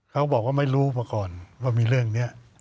เขาบอกว่าไม่รู้มาก่อนว่ามีเรื่องนี้